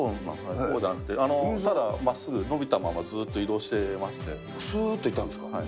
こうじゃなくて、ただまっすぐ伸びたまま、ずっと移動してますーっといったんですか。